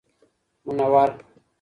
منور